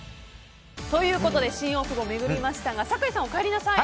ということで新大久保を巡りましたが酒井さん、お帰りなさい！